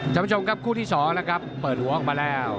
ท่านผู้ชมครับคู่ที่๒นะครับเปิดหัวออกมาแล้ว